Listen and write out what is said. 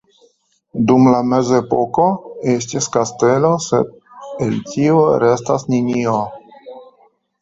Dum la Mezepoko estis kastelo sed el tio restas nenio.